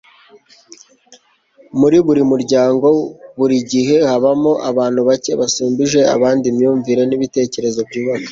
muri buri muryango, buri gihe habamo abantu bake basumbije abandi imyumvire n'ibitekerezo byubaka